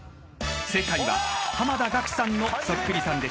［正解は濱田岳さんのそっくりさんでした］